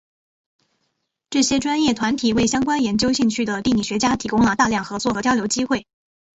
这些专业团体为相关研究兴趣的地理学家提供了大量合作和交流机会。